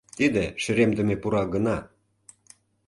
Тиде шеремдыме пура гына.